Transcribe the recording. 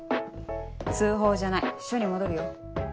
通報じゃない署に戻るよ。